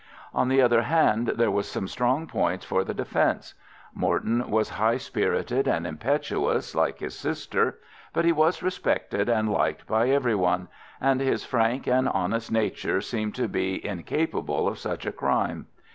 On the other hand, there were some strong points for the defence. Morton was high spirited and impetuous, like his sister, but he was respected and liked by everyone, and his frank and honest nature seemed to be incapable of such a crime.